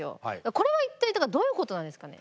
これは一体どういうことなんですかね？